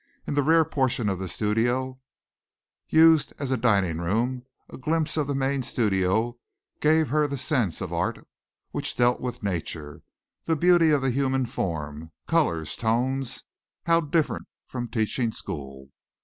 In the rear portion of the studio used as a dining room a glimpse of the main studio gave her the sense of art which dealt with nature, the beauty of the human form, colors, tones how different from teaching school.